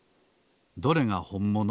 どれがほんもの？